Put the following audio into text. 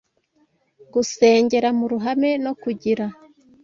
gusengera mu ruhame, no kugira